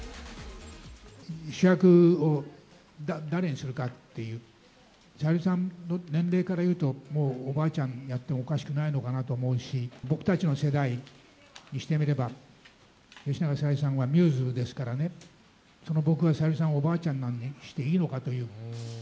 主役を誰にするかっていう、小百合さんの年齢からするともうおばあちゃんやってもおかしくないのかなと思うし、僕たちの世代にしてみれば、吉永小百合さんはミューズですからね、その僕が小百合さんをおばあちゃんにしていいのかという。